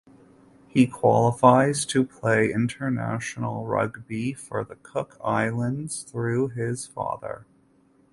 He qualifies to play international rugby for the Cook Islands through his father.